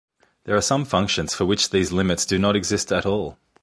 There are some functions for which these limits do not exist at all.